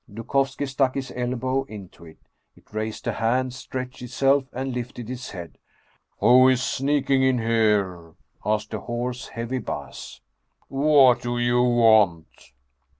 Dukovski stuck his elbow into it. It raised a hand, stretched itself, and lifted its head. " Who is sneaking in here ?" asked a hoarse, heavy bass. " What do you want